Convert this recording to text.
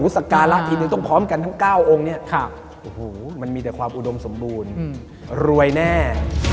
สการะทีนึงต้องพร้อมกันทั้ง๙องค์เนี่ยโอ้โหมันมีแต่ความอุดมสมบูรณ์รวยแน่